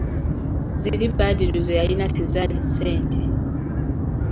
Ziri Badru ze yalina tezaali ssente.